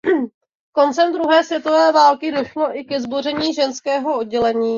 Koncem druhé světové války došlo i ke zboření ženského oddělení.